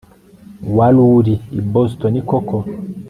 Wari uri i Boston koko